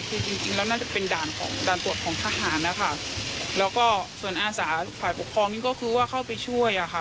คือจริงจริงแล้วน่าจะเป็นด่านของด่านตรวจของทหารนะคะแล้วก็ส่วนอาสาฝ่ายปกครองนี่ก็คือว่าเข้าไปช่วยอ่ะค่ะ